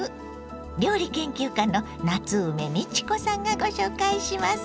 料理研究家の夏梅美智子さんがご紹介します。